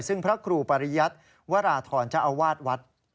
ซึ่งพระครูปริยัติวราธรเจ้าอาวาสวัด